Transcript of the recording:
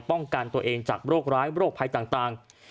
ป้องกันตัวเองจากโรคร้ายโรคภัยต่าง